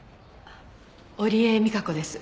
織江美香子です。